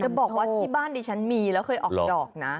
บอกว่าที่บ้านดิฉันมีแล้วเคยออกดอกนะ